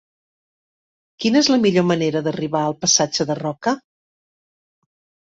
Quina és la millor manera d'arribar al passatge de Roca?